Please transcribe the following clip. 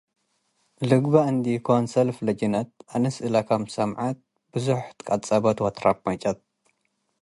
ልግበእ እንድ.ኢኮን ሰልፍ ለጅነት አንስ እለ ክምሰል ሰምዐት ብዞሕ ትቀጸበት ወትረመጨት።